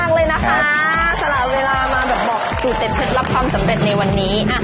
สละเวลามาแบบบอกสูตรเต็ดรับความสำเร็จในวันนี้